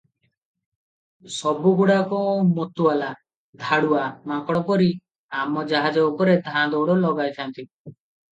ସବୁଗୁଡ଼ାକ ମତୁଆଲା, ଧାଡ଼ୁଆ ମାଙ୍କଡ ପରି ଆମ ଜାହାଜ ଉପରେ ଧାଁ ଦଉଡ଼ ଲଗାଇଥାନ୍ତି ।